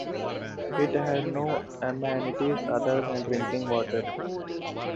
It had no amenities other than drinking water.